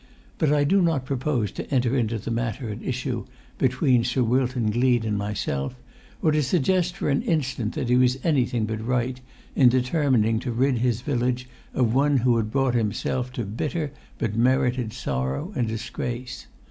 But I do not propose to enter into the matter at issue between Sir Wilton Gleed and myself, or to suggest for an instant that he was anything but right in determining to rid his village of one who had brought himself to bitter but merited sorrow and disgrace.